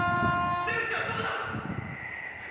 出口はどこだ！？